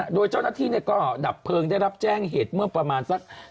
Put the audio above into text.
โดยเจ้าหน้าที่ก็ดับเพลิงได้รับแจ้งเหตุเมื่อประมาณสัก